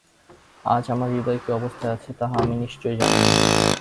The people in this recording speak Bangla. আজ আমার হৃদয় কী অবস্থায় আছে তাহা আমি নিশ্চয় জানি না।